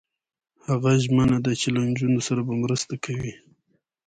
هغه ژمنه ده چې له نجونو سره به مرسته کوي.